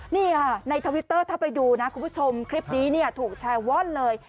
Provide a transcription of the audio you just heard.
นี่ค่ะในทวิตเตอร์ถ้าไปดูนะคุณผู้ชมคลิปนี้เนี่ยถูกแชร์ว่อนเลย